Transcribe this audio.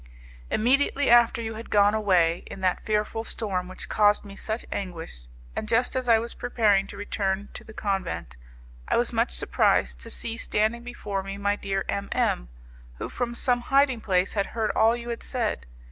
"Immediately after you had gone away in that fearful storm which caused me such anguish, and just as I was preparing to return to the convent, I was much surprised to see standing before me my dear M M , who from some hiding place had heard all you had said.